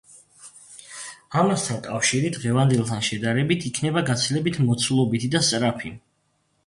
ამასთან, კავშირი დღევანდელთან შედარებით, იქნება გაცილებით მოცულობითი და სწრაფი.